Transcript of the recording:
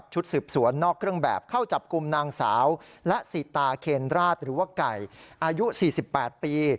หรือกับไก่อายุ๔๘ปี